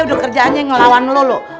udah kerjaannya ngelawan lu